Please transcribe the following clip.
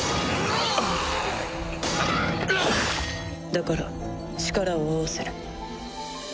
だから力を合わせる。